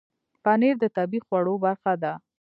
پنېر د طبیعي خوړو برخه ده.